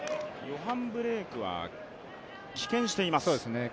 ヨハン・ブレイクは棄権しています。